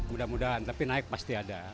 mudah mudahan tapi naik pasti ada